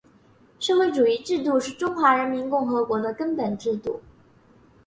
社会主义制度是中华人民共和国的根本制度